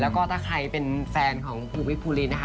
แล้วก็ถ้าใครเป็นแฟนของภูวิทภูลินนะคะ